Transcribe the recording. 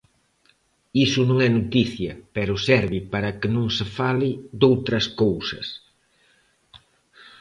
Iso non é noticia, pero serve para que non se fale doutras cousas.